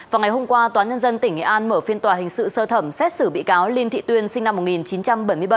vào ngày hôm qua tòa nhân dân tỉnh nghệ an mở phiên tòa hình sự sơ thẩm xét xử bị cáo linh thị tuyên sinh năm một nghìn chín trăm bảy mươi bảy